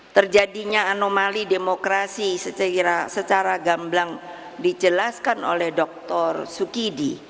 terjadinya anomali demokrasi secara gamblang dijelaskan oleh dr sukidi